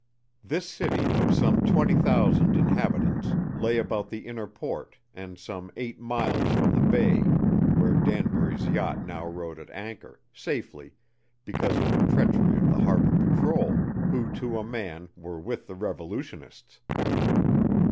This city of some 20,000 inhabitants lay about the inner port and some eight miles from the bay where Danbury's yacht now rode at anchor, safely, because of the treachery of the harbor patrol, who to a man were with the Revolutionists.